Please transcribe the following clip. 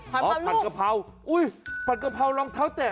ผัดกะเพราลูกอ๋อผัดกะเพราอุ๊ยผัดกะเพรารองเท้าแตะ